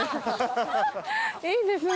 いいですね。